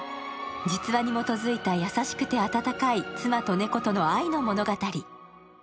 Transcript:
実話に基づいた優しくて温かい妻と猫との愛の物語。